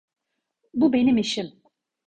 Bu benim işim.